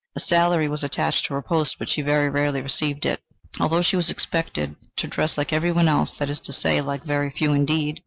A salary was attached to the post, but she very rarely received it, although she was expected to dress like everybody else, that is to say, like very few indeed.